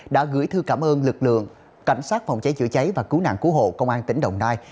đã gửi thư cảm ơn lực lượng cảnh sát phòng cháy chữa cháy và cứu nạn cứu hộ công an tỉnh đồng nai